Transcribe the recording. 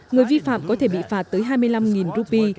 người vi phạm có thể bị phạt tới hai mươi năm rupee